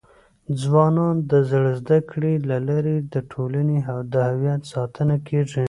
ځوانان د زده کړي له لارې د ټولنې د هویت ساتنه کيږي.